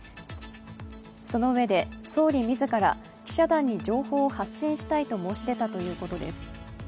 そのうえで総理自ら記者団に情報を発信したいと申し出たということです。